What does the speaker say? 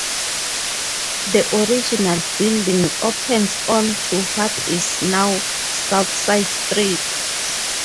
The original building opens on to what is now Southside Street.